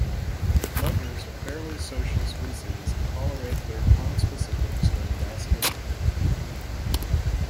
Muggers are fairly social species and tolerate their conspecifics during basking and feeding.